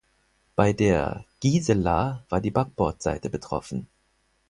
Bei der "Gisela" war die Backbordseite betroffen.